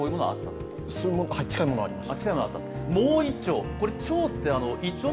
近いものはありました。